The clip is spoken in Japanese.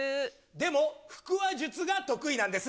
でも、腹話術が得意なんです。